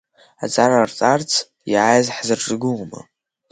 Аҵара рҵарц иааз ҳзырҿагылома?